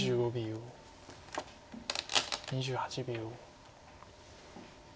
２８秒。